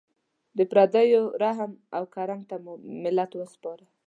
د پردیو رحم و کرم ته مو ملت وسپاره.